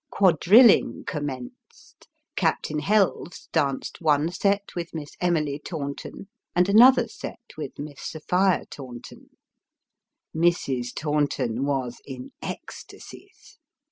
Quadrilling com menced ; Captain Helves danced one set with Miss Emily Taunton, and another set with Miss Sophia Taunton. Mrs. Taunton was in ecstasies.